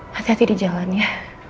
hati hati di jalan ya